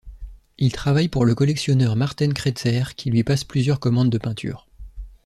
Il travaille pour le collectionneur Marten Kretzer qui lui passe plusieurs commandes de peintures.